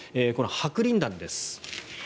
この白リン弾です。